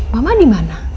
mama di mana